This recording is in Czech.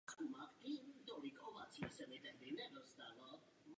Pittsburgh je sídlem University of Pittsburgh a Univerzity Carnegieho–Mellonových.